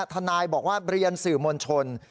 ทนายบอกว่าเรียนสื่อมวลชน